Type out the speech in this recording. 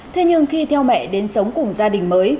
thế nhưng khi theo mẹ đến sống cùng gia đình mới